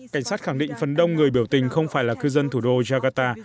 cảnh sát khẳng định phần đông người biểu tình không phải là cư dân thủ đô jakarta